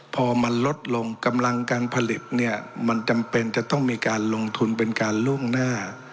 พอมันลดลงกำลังการผลิตเนี่ยมันจำเป็นจะต้องมีการลงทุนเป็นการล่วงหน้า